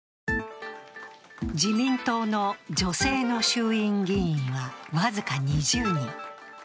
自民党の女性の衆院議員は僅か２０人。